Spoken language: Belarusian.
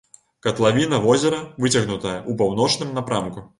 Катлавіна возера выцягнутая ў паўночным напрамку.